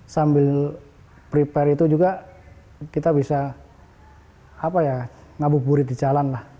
sambil prepare itu juga kita bisa ngabuburit di jalan lah